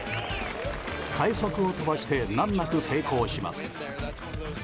快足を飛ばして難なく成功します。